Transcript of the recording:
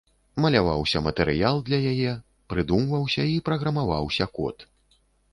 Маляваўся матэрыял для яе, прыдумваўся і праграмаваўся код.